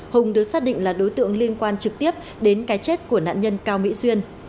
hùng được xác định là đối tượng liên quan trực tiếp đến cái chết của nạn nhân cao mỹ duyên